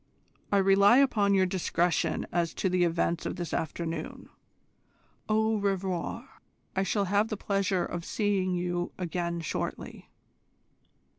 I rely upon your discretion as to the events of this afternoon. Au revoir. I shall have the pleasure of seeing you again shortly."